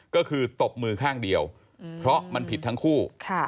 ก็คือตบมือข้างเดียวเพราะมันผิดทั้งคู่